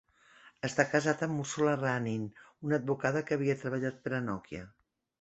Està casat amb Ursula Ranin, una advocada que havia treballat per a Nokia.